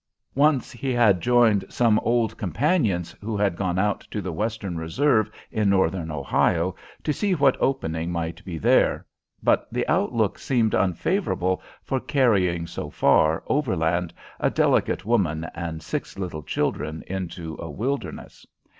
Once he had joined some old companions, who had gone out to the Western Reserve in Northern Ohio, to see what opening might be there. But the outlook seemed unfavorable for carrying so far, overland, a delicate woman and six little children into a wilderness.